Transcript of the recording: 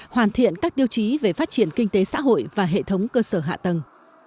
hoàn thiện các tiêu chí về phát triển kinh tế xã hội và hệ thống cơ sở hạ tầng